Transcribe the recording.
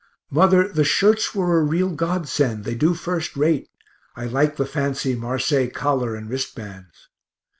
Mother, the shirts were a real godsend, they do first rate; I like the fancy marseilles collar and wrist bands.